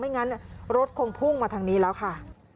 ไม่อย่างนั้นรถคงพุ่งมาทางนี้แล้วค่ะ